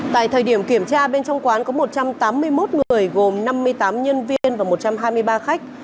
tại thời điểm kiểm tra bên trong quán có một trăm tám mươi một người gồm năm mươi tám nhân viên và một trăm hai mươi ba khách